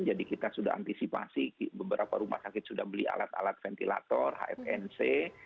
jadi kita sudah antisipasi beberapa rumah sakit sudah beli alat alat ventilator hfnc